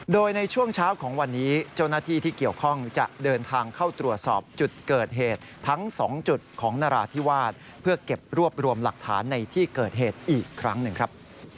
โดยในช่วงเช้าของวันนี้เจ้าหน้าที่ที่เกี่ยวข้องจะเดินทางเข้าตรวจสอบจุดเกิดเหตุทั้ง๒จุดของนราธิวาสเพื่อเก็บรวบรวมหลักฐานในที่เกิดเหตุอีกครั้งหนึ่งครับ